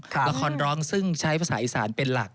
ละครร้องซึ่งใช้ภาษาอีสานเป็นหลัก